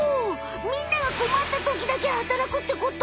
みんながこまったときだけ働くってこと？